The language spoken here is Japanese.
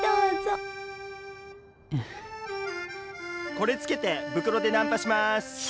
これつけてブクロでナンパしまーす。